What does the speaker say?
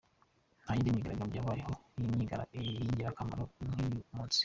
Nta yindi myigaragambyo yabaho y’ingirakamaro nk’iy’uyu munsi.